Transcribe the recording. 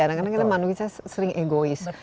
karena kita manusia sering egois